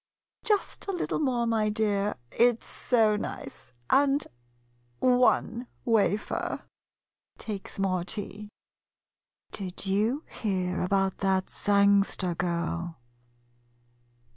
Just a little more, my dear, — it 's so nice, — and one wafer. [Takes more tea.] Did you hear about that Sangster girl?